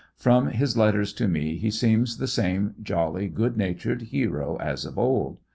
From his letters to me he seems the same jolly, good natured hero as of old.